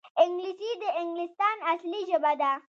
انګلیسي د انګلستان اصلي ژبه ده